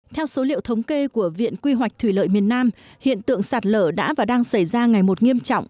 theo số liệu thống kê của viện quy hoạch thủy lợi miền nam hiện tượng sạt lở đã và đang xảy ra ngày một nghiêm trọng